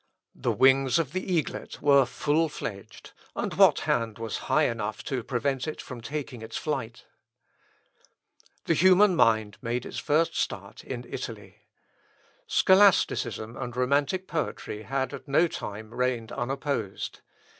The wings of the eaglet were full fledged, and what hand was high enough to prevent it from taking its flight? The human mind made its first start in Italy. Scholasticism and romantic poetry had at no time reigned unopposed.